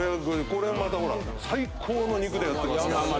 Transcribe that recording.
これもまたほら最高の肉でやってます。